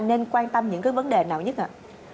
nên quan tâm những cái vấn đề nào nhất ạ